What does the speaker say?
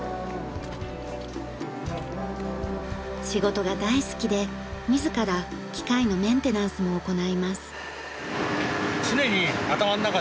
仕事が大好きで自ら機械のメンテナンスも行います。